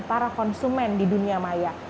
para konsumen di dunia maya